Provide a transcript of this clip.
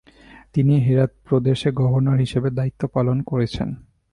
তিনি হেরাত প্রদেশের গভর্নর হিসেবে দায়িত্ব পালন করেছেন।